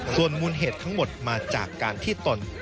ส่วนมูลเหตุทั้งหมดมาจากการที่ตน